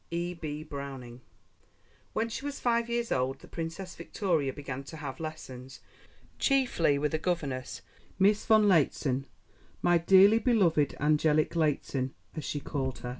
E.B. BROWNING When she was five years old the Princess Victoria began to have lessons, chiefly with a governess, Miss von Lehzen "my dearly beloved angelic Lehzen," as she called her.